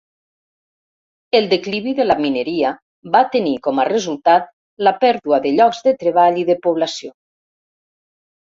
El declivi de la mineria va tenir com a resultat la pèrdua de llocs de treball i de població.